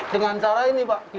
dengan cara ini pak